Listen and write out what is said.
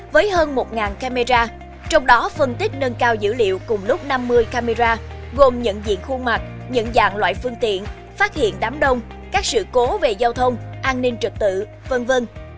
với hơn một camera trong đó phân tích nâng cao dữ liệu cùng lúc năm mươi camera gồm nhận diện khuôn mặt nhận dạng loại phương tiện phát hiện đám đông các sự cố về giao thông an ninh trực tự v v